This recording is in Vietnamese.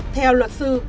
theo luật sư